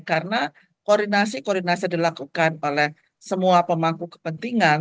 karena koordinasi koordinasi yang dilakukan oleh semua pemangku kepentingan